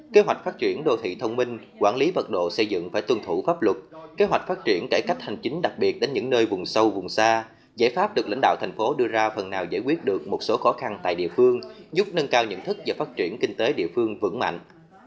kế hoạch phát triển đô thị thông minh quản lý vật độ xây dựng phải tuân thủ pháp luật kế hoạch phát triển cải cách hành chính đặc biệt đến những nơi vùng sâu vùng xa giải pháp được lãnh đạo thành phố đưa ra phần nào giải quyết được một số khó khăn tại địa phương giúp nâng cao nhận thức và phát triển kinh tế địa phương vững mạnh